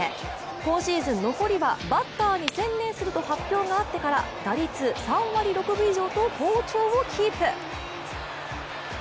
今シーズン残りはバッターに専念すると発表があってから、打率３割６分以上と好調をキープ。